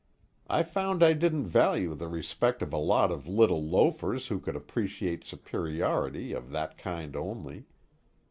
I found I didn't value the respect of a lot of little loafers who could appreciate superiority of that kind only.